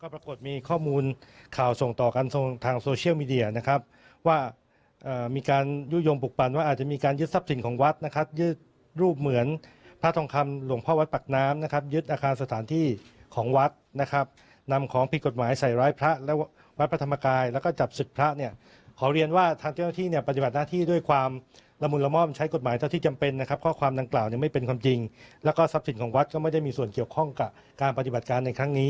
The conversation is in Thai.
เพราะความนางกล่าวไม่เป็นความจริงและทรัพย์ศิลป์ของวัดไม่มีส่วนเขียวข้องกับการปฏิบัติการ